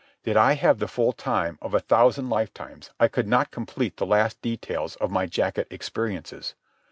Did I have the full time of a thousand lifetimes, I could not complete the last details of my jacket experiences.